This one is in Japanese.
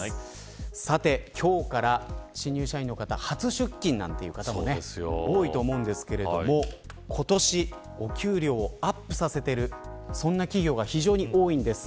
さて、今日から新入社員の方初出勤なんていう方も多いと思うんですけれども今年お給料をアップさせているそんな企業が非常に多いんです。